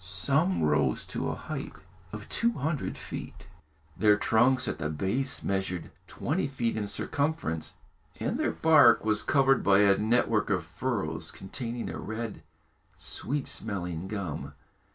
Some rose to a height of two hundred feet. Their trunks at the base measured twenty feet in circumference, and their bark was covered by a network of furrows containing a red, sweet smelling gum.